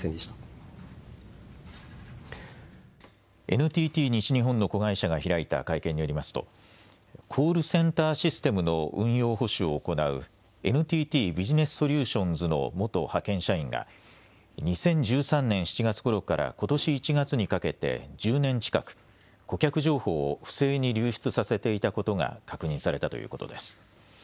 ＮＴＴ西日本の子会社が開いた会見によりますとコールセンターシステムの運用保守を行うＮＴＴビジネスソリューションズの元派遣社員が２０１３年７月ごろからことし１月にかけて１０年近く顧客情報を不正に流出させていたことが確認されたということです。